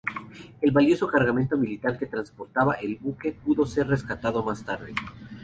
El valioso cargamento militar que transportaba el buque pudo ser rescatado más tarde.